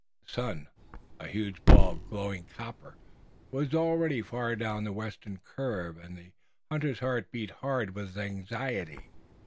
The sun, a huge ball of glowing copper, was already far down the Western curve, and the hunter's heart beat hard with anxiety.